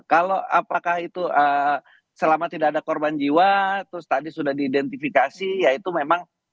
kalau apakah itu selama tidak ada korban jiwa terus tadi sudah diidentifikasi yaitu memang